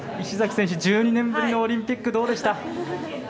石崎選手１２年ぶりのオリンピックどうでした？